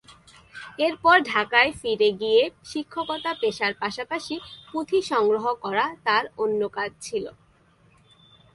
এরপর ঢাকায় ফিরে গিয়ে শিক্ষকতা পেশার পাশাপাশি পুঁথি সংগ্রহ করা তাঁর অন্য কাজ ছিল।